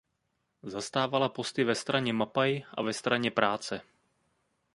Zastávala posty ve straně Mapaj a ve Straně práce.